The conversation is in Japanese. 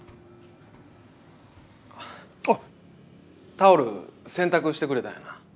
タオル洗濯してくれたんやな。